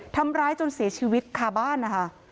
ทำร้ายจนเสียชีวิตคาบ้านนะคะ